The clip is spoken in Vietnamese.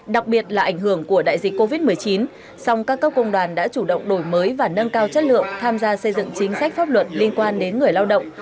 đặc biệt là ảnh hưởng của đại dịch covid một mươi chín song các cấp công đoàn đã chủ động đổi mới và nâng cao chất lượng tham gia xây dựng chính sách pháp luật liên quan đến người lao động